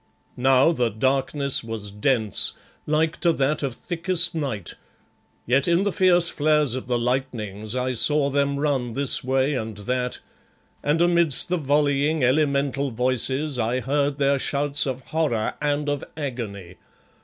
Now the darkness was dense, like to that of thickest night; yet in the fierce flares of the lightnings I saw them run this way and that, and amidst the volleying, elemental voices I heard their shouts of horror and of agony.